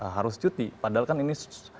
harus cuti padahal kan ini